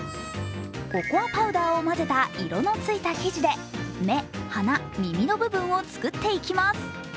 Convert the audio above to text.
ココアパウダーを混ぜた色のついた生地で目、鼻、耳の部分を作っていきます。